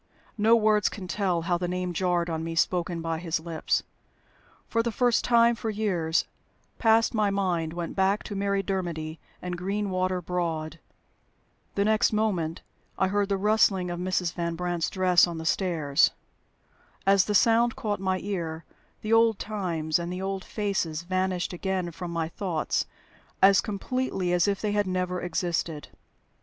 No words can tell how the name jarred on me, spoken by his lips. For the first time for years past my mind went back to Mary Dermody and Greenwater Broad. The next moment I heard the rustling of Mrs. Van Brandt's dress on the stairs. As the sound caught my ear, the old times and the old faces vanished again from my thoughts as completely as if they had never existed.